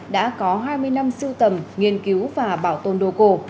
đã có hai mươi năm sưu tầm nghiên cứu và bảo tồn đồ cổ